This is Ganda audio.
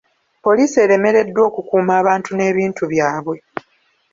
Poliisi eremereddwa okukuuma abantu n'ebintu byabwe.